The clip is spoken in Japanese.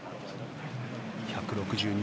１６２